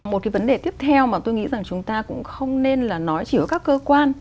một cái vấn đề tiếp theo mà tôi nghĩ rằng chúng ta cũng không nên là nói chỉ ở các cơ quan